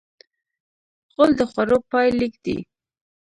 غول د خوړو پای لیک دی.